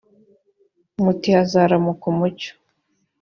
muti hazaramuka umucyo